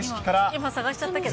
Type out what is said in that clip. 今、探しちゃったけど。